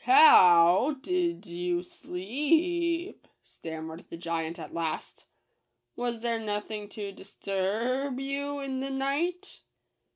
ho ow w w did you sle e e ep ?" stammered the giant at last. "Was there nothing to dist u r r b you in the night